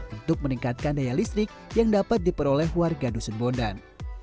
untuk meningkatkan daya listrik yang dapat diperoleh warga dusun bondan